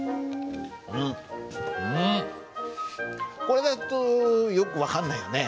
これだとよく分かんないよね。